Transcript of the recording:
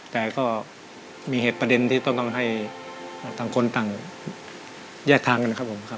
แต่ก็มีเหตุประเด็นที่ต้องให้ต่างคนต่างแยกทางกันครับผมครับ